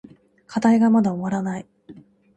課題がまだ終わらない。